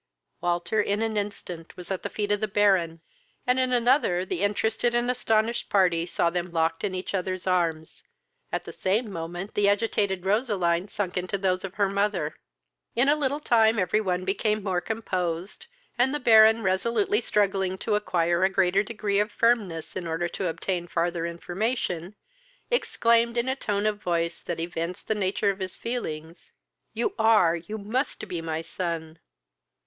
Walter in an instant was at the feet of the Baron, and in another the interested and astonished party saw them locked in each other's arms, at the same moment the agitated Roseline sunk into those of her mother. In a little time every one became more composed, and the Baron, resolutely struggling to acquire a greater degree of firmness in order to obtain farther information, exclaimed, in a tone of voice that evinced the nature of his feelings, "You are, you must be my son!